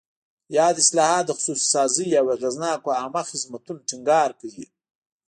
یاد اصلاحات د خصوصي سازۍ او اغېزناکو عامه خدمتونو ټینګار کوي.